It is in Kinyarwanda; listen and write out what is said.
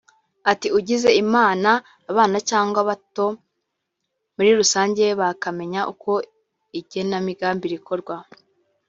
Ati “Ugize Imana abana cyangwa abato muri rusange bakamenya uko igenamigambi rikorwa